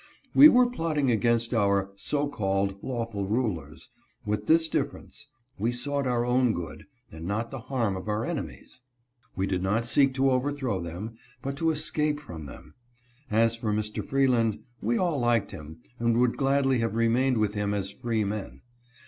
We were plotting against our (so called) lawful rulers, with this difference — we sought our own good, and not the harm of our enemies. We did not seek to overthrow them, but to escape from them. As for Mr. Freeland, we all liked him, and would gladly have remained with him as free men.